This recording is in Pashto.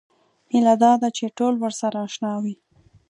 هیله دا ده چې ټول ورسره اشنا وي.